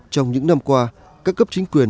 trong những năm qua các cấp chính quyền